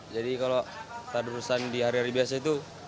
jadi kalau tadarusan di hari hari biasa itu